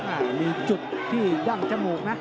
อ่ามีจุดที่ดั้งจมูกนะ